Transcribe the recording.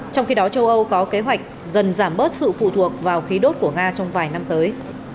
trong khi đó châu âu có kế hoạch dần giảm bớt sự phụ thuộc vào khí đốt của nga trong vài năm tới